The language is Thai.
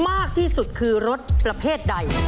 มากที่สุดคือรถประเภทใด